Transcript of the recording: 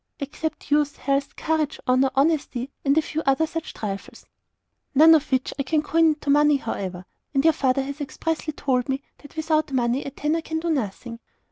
"Except youth, health, courage, honour, honesty, and a few other such trifles." "None of which I can coin into money, however. And your father has expressly told me that without money a tanner can do nothing."